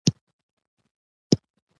ډیټا سایننس د احصایې او پروګرامینګ ترکیب دی.